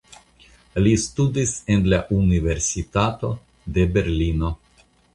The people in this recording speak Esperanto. Li studis en la Universitato de Berlino.